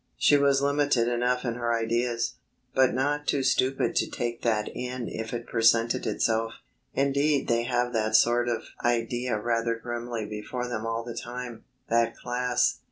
She was limited enough in her ideas, but not too stupid to take that in if it presented itself. Indeed they have that sort of idea rather grimly before them all the time that class.